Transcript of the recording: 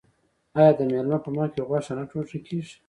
آیا د میلمه په مخکې غوښه نه ټوټه کیږي؟